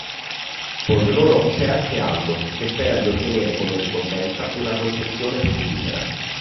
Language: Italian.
Con loro c'è anche Aldo che spera di ottenere come ricompensa una concessione petrolifera.